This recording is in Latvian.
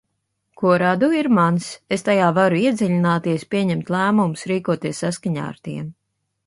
Ko radu, ir mans, es tajā varu iedziļināties, pieņemt lēmumus, rīkoties saskaņā ar tiem.